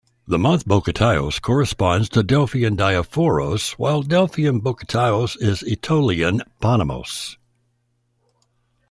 The month "Boukatios" corresponds to Delphian "Daidaphorios", while Delphian "Boukatios" is Aetolian "Panamos".